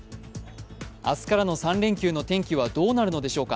明日からの３連休の天気はどうなるのでしょうか。